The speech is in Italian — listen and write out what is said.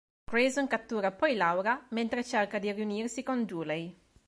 Grayson cattura poi Laura mentre cerca di riunirsi con Dooley.